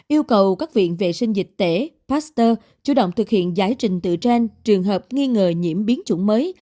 yêu cầu các viện vệ sinh dịch tễ pasteur chủ động thực hiện giải trình từ trên trường hợp nghi ngờ nhiễm biến chủng mới